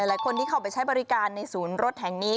หลายคนที่เข้าไปใช้บริการในศูนย์รถแห่งนี้